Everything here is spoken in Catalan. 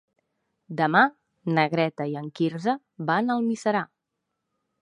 Demà na Greta i en Quirze van a Almiserà.